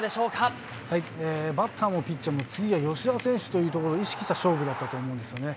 バッターもピッチャーも、次が吉田選手というところを意識した勝負だったと思うんですね。